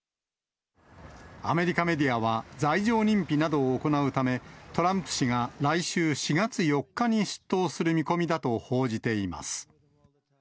アメリカメディアは、罪状認否などを行うため、トランプ氏が来週４月４日に出頭する見込みだと報じています。